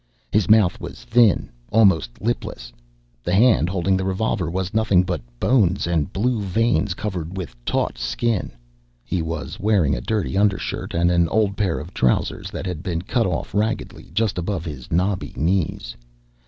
His mouth was thin, almost lipless. The hand holding the revolver was nothing but bones and blue veins covered with taut skin. He was wearing a dirty undershirt and an old pair of trousers that had been cut off raggedly just above his knobby knees.